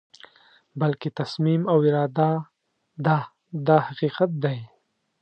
بلکې تصمیم او اراده ده دا حقیقت دی.